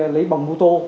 lấy bằng ô tô